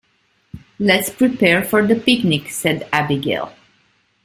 "Let's prepare for the picnic!", said Abigail.